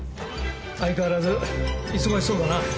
相変わらず忙しそうだな。